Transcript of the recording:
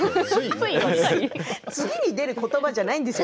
次に出ることばじゃないですよ